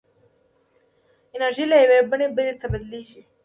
انرژي له یوې بڼې بلې ته بدلېږي.